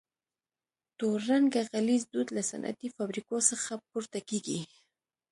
تور رنګه غلیظ دود له صنعتي فابریکو څخه پورته کیږي.